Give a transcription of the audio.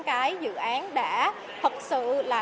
cái dự án đã thật sự là